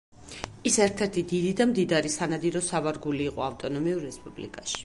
ის ერთ-ერთი დიდი და მდიდარი სანადირო სავარგული იყო ავტონომიურ რესპუბლიკაში.